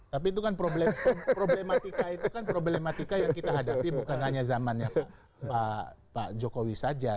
tapi itu kan problematika yang kita hadapi bukan hanya zamannya pak jokowi saja